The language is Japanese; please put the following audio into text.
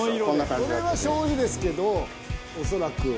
「これはしょうゆですけど恐らく」